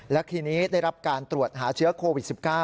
และทีนี้ได้รับการตรวจหาเชื้อโควิด๑๙